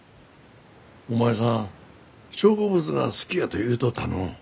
お前さん植物が好きやと言うとったのう。